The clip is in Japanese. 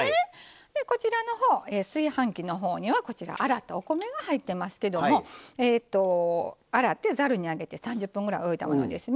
こちら炊飯器のほうには洗ったお米が入ってますけども洗って、ざるに上げて３０分くらい置いたものですね。